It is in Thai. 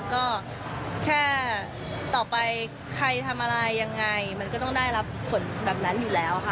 ก็แค่ต่อไปใครทำอะไรยังไงมันก็ต้องได้รับผลแบบนั้นอยู่แล้วค่ะ